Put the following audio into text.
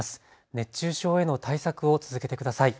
熱中症への対策を続けてください。